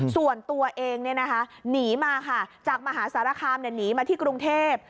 ส่วนตัวเองหนีมาค่ะจากมหาสารคามหนีมาที่กรุงเทพ